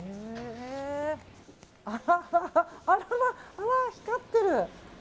あら、光ってる。